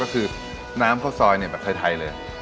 ก็คือน้ำข้าวซอยแบบไทยเลย